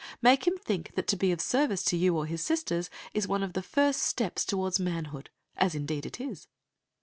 Make him think that to be of service to you or his sisters is one of the first steps toward manhood, as indeed it is.